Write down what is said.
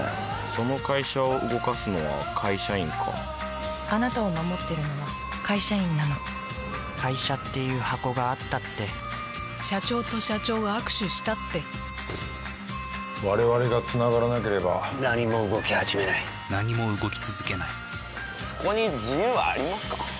その会社を動かすのは会社員かあなたを守ってるのは、会社員なの会社っていう箱があったって社長と社長が握手したって我々がつながらなければ何も動きはじめない何も動き続けないそこに自由はありますか？